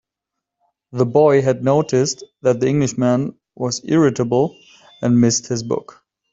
The boy had noticed that the Englishman was irritable, and missed his books.